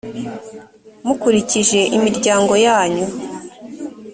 mukurikije imiryango yanyu